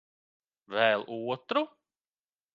Vēl otru?